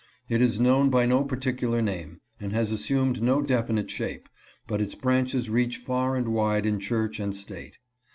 It is known by no particular name, and has assumed no definite shape, but its branches reach far and wide in church and state.